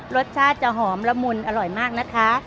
รสชาติจะหอมละมุนอร่อยมากนะคะ